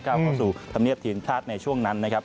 เข้าสู่ธรรมเนียบทีมชาติในช่วงนั้นนะครับ